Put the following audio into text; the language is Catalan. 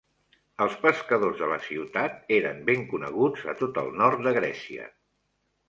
Els pescadors de la ciutat eren ben coneguts a tot el nord de Grècia.